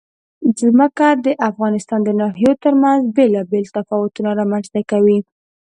ځمکه د افغانستان د ناحیو ترمنځ بېلابېل تفاوتونه رامنځ ته کوي.